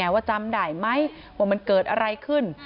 ว่าจำได้ไหมว่ามันเกิดอะไรขึ้น